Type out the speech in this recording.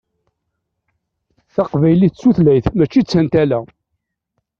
Taqbaylit d tutlayt mačči d tantala.